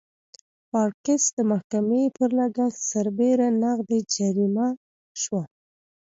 پارکس د محکمې پر لګښت سربېره نغدي جریمه شوه.